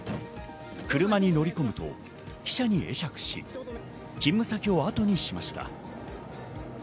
車に乗り込むと記者に会釈し、勤務先をあとにしました。